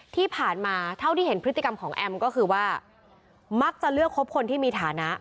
ที่ผ่านมาเท่าที่เห็นพฤติกรรมของแอมก็คือว่ามักจะเลือกคบคนที่มีฐานะ